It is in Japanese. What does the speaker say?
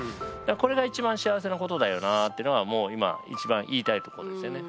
これが一番幸せなことだよなっていうのがもう今一番言いたいところですよね。